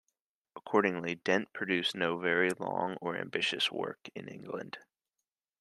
Accordingly, Dent produced no very long or ambitious work in England.